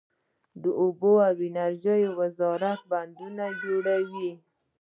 د اوبو او انرژۍ وزارت بندونه جوړوي